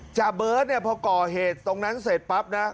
เบิร์ตเนี่ยพอก่อเหตุตรงนั้นเสร็จปั๊บนะ